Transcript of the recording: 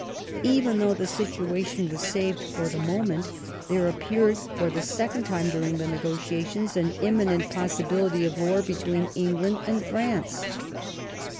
Even though the situation was saved for the moment, there appeared for the second time during the negotia tions an imminent possibility of war between England and France.